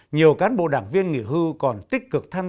nhiều cán bộ đảng viên nghỉ hưu còn tích cực thanh niên